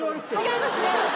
違います